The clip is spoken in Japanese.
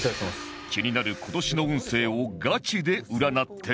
気になる今年の運勢をガチで占っていただく